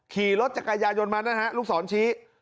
ขี่รถจักรยายนมานะครับลูกสอนชี้